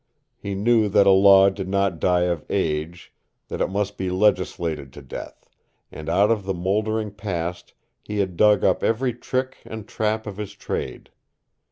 He knew that a law did not die of age, that it must be legislated to death, and out of the moldering past he had dug up every trick and trap of his trade.